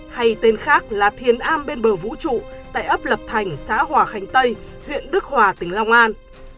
hay tên khác là thiền a bên bờ vũ trụ tại ấp lập thành xã hòa khánh tây huyện đức hòa tỉnh long an